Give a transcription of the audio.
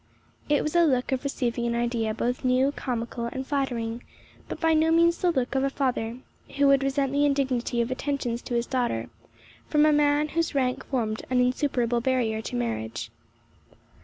It was a look of receiving an idea both new, comical, and flattering, but by no means the look of a father who would resent the indignity of attentions to his daughter from a man whose rank formed an insuperable barrier to marriage.